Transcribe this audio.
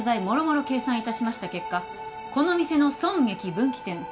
もろもろ計算いたしました結果この店の損益分岐点